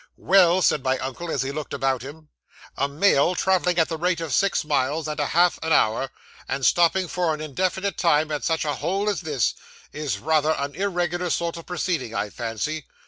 '"Well," said my uncle, as he looked about him, "a mail travelling at the rate of six miles and a half an hour, and stopping for an indefinite time at such a hole as this, is rather an irregular sort of proceeding, I fancy.